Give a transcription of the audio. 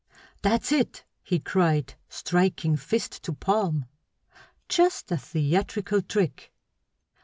"That's it!" he cried, striking fist to palm. "Just a theatrical trick.